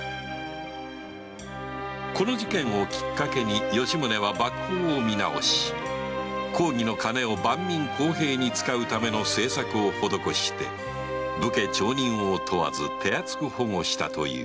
この事件をきっかけに吉宗は幕法を見直し公儀の金を万民公平に使うための政策を施して武家町人を問わず手厚く保護したという